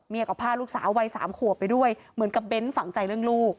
ก็พาลูกสาววัยสามขวบไปด้วยเหมือนกับเบ้นฝังใจเรื่องลูก